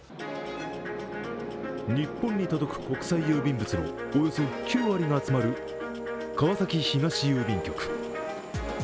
日本に届く国際郵便物のおよそ９割が集まる川崎東郵便局。